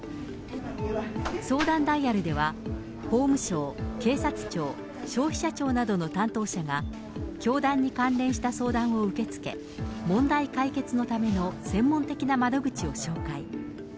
相談ダイヤルでは、法務省、警察庁、消費者庁などの担当者が、教団に関連した相談を受け付け、問題解決のための専門的な窓口を紹介。